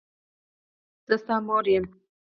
زه ستا مور یم.